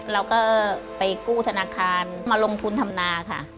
เราก็ไปกู้ธนาคารมาลงทุนทำนาค่ะ